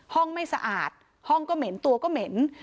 ห้องไม่สะอาดห้องก็เหม็นตัวก็เหม็น